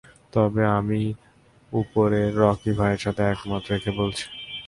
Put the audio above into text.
তবে আমি উপরে রকি ভাইয়ের সাথে একমত রেখে বলছি।